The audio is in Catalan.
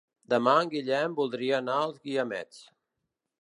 Demà en Guillem voldria anar als Guiamets.